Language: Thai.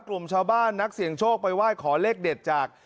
กลุ่มชาวบ้านนักเสี่ยงโชคไปไหว้ขอเลขเด็ดจาก